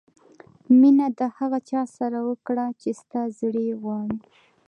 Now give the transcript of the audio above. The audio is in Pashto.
مینه د هغه چا سره وکړه چې ستا زړه یې غواړي.